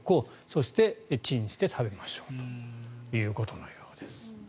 そしてチンして食べましょうということのようです。